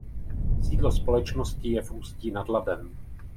Sídlo společnosti je v Ústí nad Labem.